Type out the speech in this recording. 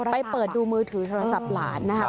เปิดดูมือถือโทรศัพท์หลานนะครับ